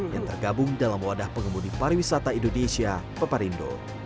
yang tergabung dalam wadah pengemudi pariwisata indonesia peparindo